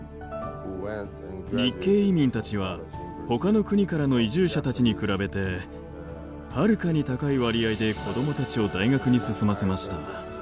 日系移民たちはほかの国からの移住者たちに比べてはるかに高い割合で子どもたちを大学に進ませました。